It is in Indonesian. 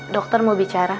dokter mau bicara